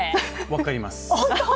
分かります。